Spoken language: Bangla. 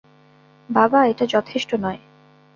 বাবা, এটা যথেষ্ট নয়।